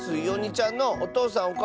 おにちゃんのおとうさん